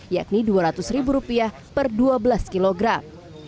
yakni rp dua ratus ribu rupiah per dua belas kilogram